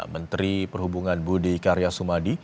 menteri perhubungan budi karya sumadi